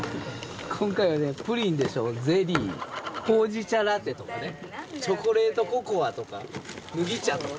今回はね、プリンでしょう、ゼリー、ほうじ茶ラテとかね、チョコレートココアとか、麦茶とか。